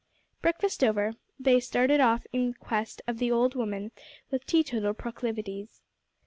Breakfast over, they started off in quest of the old woman with teetotal proclivities.